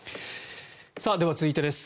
では、続いてです。